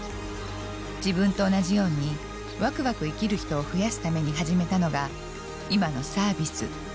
自分と同じようにワクワク生きる人を増やすために始めたのが今のサービス。